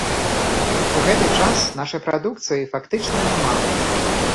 У гэты час нашай прадукцыі практычна няма.